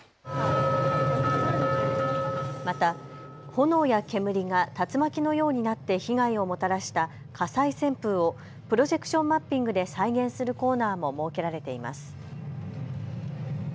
また炎や煙が竜巻のようになって被害をもたらした火災旋風をプロジェクションマッピングで再現するコーナーも設けられています。